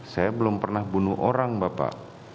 saya belum pernah bunuh orang bapak